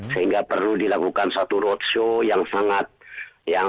sehingga perlu dilakukan satu roadshow yang sangat yang